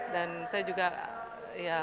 dan saya juga merasa ya